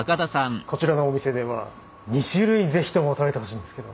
こちらのお店では２種類ぜひとも食べてほしいんですけど。